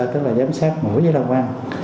tức là giám sát mũi dưới lăng quan